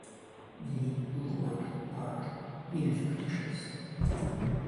The 'Lord' part, being fictitious.